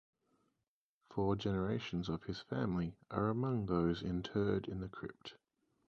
Four generations of his family are among those interred in the crypt.